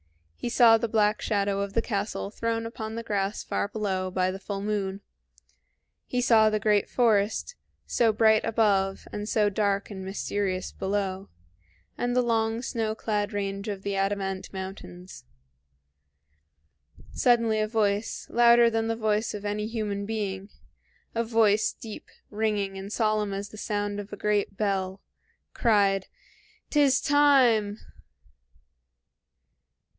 He saw the black shadow of the castle thrown upon the grass far below by the full moon; he saw the great forest, so bright above and so dark and mysterious below, and the long snow clad range of the Adamant Mountains. Suddenly a voice, louder than the voice of any human being, a voice deep, ringing, and solemn as the sound of a great bell, cried, "'T is time!"